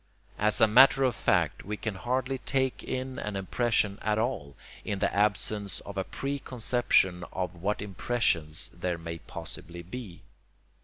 As a matter of fact we can hardly take in an impression at all, in the absence of a pre conception of what impressions there may possibly be.